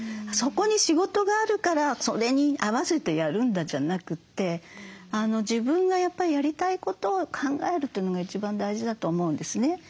そこに仕事があるからそれに合わせてやるんだじゃなくて自分がやりたいことを考えるというのが一番大事だと思うんですね。